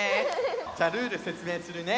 じゃあルールせつめいするね。